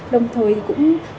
đồng thời cũng giúp doanh nghiệp